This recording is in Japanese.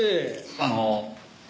あの。